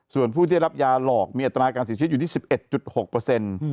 ส่วนผู้ที่ได้รับยาหลอกมีอัตราการเสียชีวิตอยู่ที่๑๑๖